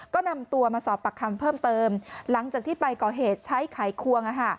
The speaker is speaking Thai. ก็นำตัวมาสอบปากคำเพิ่มเติมหลังจากที่ไปก่อเหตุใช้ไขควง